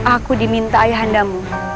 aku diminta ayah andamu